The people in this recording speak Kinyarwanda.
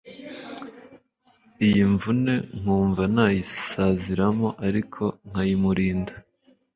iyimvune nkumva nayisaziramo ariko nkayimurinda"